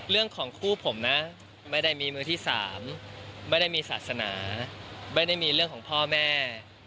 เรื่องของคู่ผมนะไม่ได้มีมือที่๓ไม่ได้มีศาสนาไม่ได้มีเรื่องของพ่อแม่